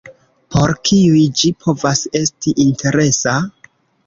Por kiuj ĝi povas esti interesa?